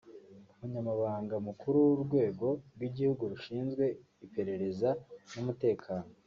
Umunyamabanga Mukuru w’Urwego rw’Igihugu rushinzwe Iperereza n’Umutekano